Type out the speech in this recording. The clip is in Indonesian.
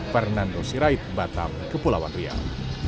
fernando sirait batam kepulauan riau